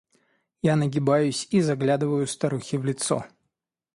Я нагибаюсь и заглядываю старухе в лицо.